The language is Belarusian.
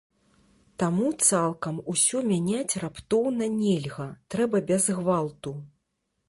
Таму цалкам усё мяняць раптоўна нельга, трэба без гвалту.